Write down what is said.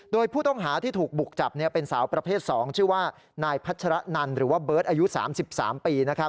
โดยผู้ต้องหาที่ถูกบุกจับเป็นสาวประเภท๒ชื่อว่านายพัชรนันหรือว่าเบิร์ตอายุ๓๓ปี